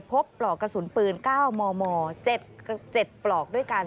ปลอกกระสุนปืน๙มม๗ปลอกด้วยกัน